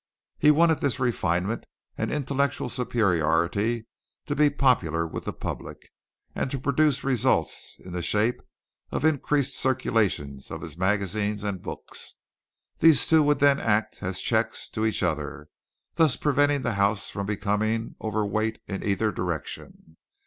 He wanted this refinement and intellectual superiority to be popular with the public, and to produce results in the shape of increased circulation for his magazines and books. These two would then act as checks each to the other, thus preventing the house from becoming overweighted in either direction.